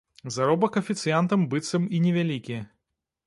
Заробак афіцыянтам быццам і невялікі.